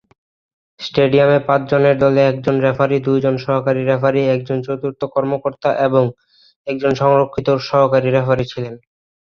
স্টেডিয়ামে পাঁচ জনের দলে একজন রেফারি, দুইজন সহকারী রেফারি, একজন চতুর্থ কর্মকর্তা এবং একজন সংরক্ষিত সহকারী রেফারি ছিলেন।